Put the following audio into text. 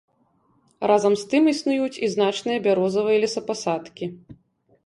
Разам з тым існуюць і значныя бярозавыя лесапасадкі.